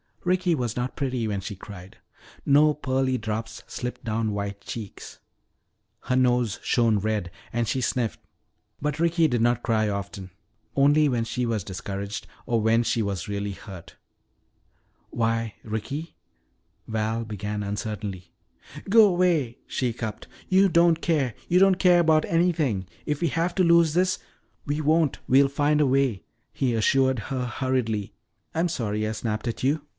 Ricky was not pretty when she cried. No pearly drops slipped down white cheeks. Her nose shone red and she sniffed. But Ricky did not cry often. Only when she was discouraged, or when she was really hurt. "Why, Ricky " Val began uncertainly. "Go 'way," she hiccupped. "You don't care you don't care 'bout anything. If we have to lose this " "We won't! We'll find a way!" he assured her hurriedly. "I'm sorry I snapped at you.